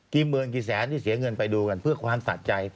หมื่นกี่แสนนี่เสียเงินไปดูกันเพื่อความสะใจ